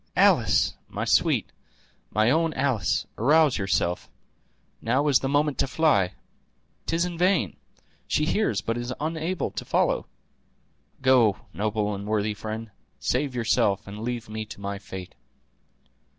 Alice! my sweet, my own Alice, arouse yourself; now is the moment to fly. 'Tis in vain! she hears, but is unable to follow. Go, noble and worthy friend; save yourself, and leave me to my fate."